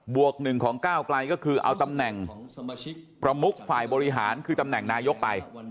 วกหนึ่งของก้าวไกลก็คือเอาตำแหน่งประมุกฝ่ายบริหารคือตำแหน่งนายกไป